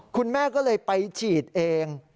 คุณแม่ก็เลยไปฉีดเอง